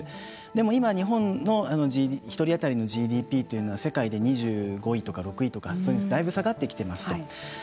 でも今、日本の１人当たりのＧＤＰというのは世界で２５位とか６位とかだいぶ下がってきています。